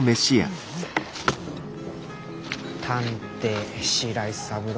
探偵白井三郎。